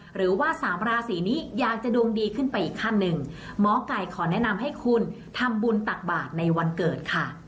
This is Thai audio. หรือว่าสามราศีนี้อยากจะดวงดีขึ้นไปอีกขั้นหนึ่งหมอไก่ขอแนะนำให้คุณทำบุญตักบาทในวันเกิดค่ะ